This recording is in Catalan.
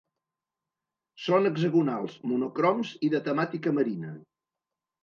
Són hexagonals, monocroms i de temàtica marina.